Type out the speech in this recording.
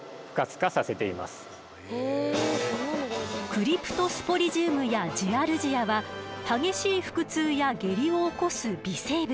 クリプトスポリジウムやジアルジアは激しい腹痛や下痢を起こす微生物。